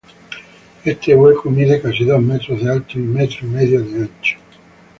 Este hueco mide casi dos metros de alto y metro y medio de ancho.